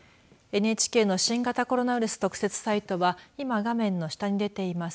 ＮＨＫの新型コロナウイルス特設サイトは今画面の下に出ています